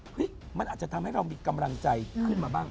มันอาจจะทำให้เรามีกำลังใจขึ้นมาบ้าง